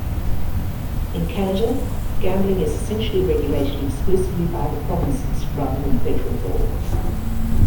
In Canada, gambling is essentially regulated exclusively by the provinces rather than federal law.